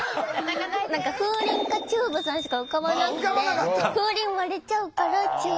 何か風鈴かちゅーぶさんしか浮かばなくて風鈴割れちゃうからちゅーぶさんかな。